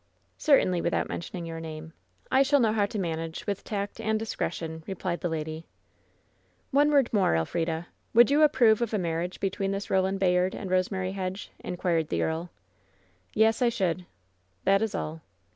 "Certainly without mentioning your name. I shall know how to manage with tact and diacretion," replied the lady. WHEN SHADOWS DIE 88 "One word more, Elfrida. Would you approve of a marria^ between this Eoland Bayard and Eosemary Hedge?* inquired the earl. "Yes, I should/' "That is all."